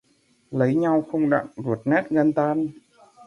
Lấy nhau không đặng, ruột nát gan tan